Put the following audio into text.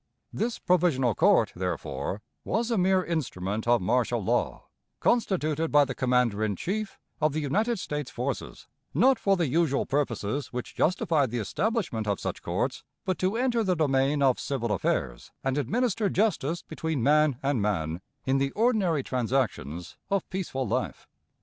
This provisional court, therefore, was a mere instrument of martial law, constituted by the Commander in Chief of the United States forces, not for the usual purposes which justify the establishment of such courts, but to enter the domain of civil affairs and administer justice between man and man in the ordinary transactions of peaceful life.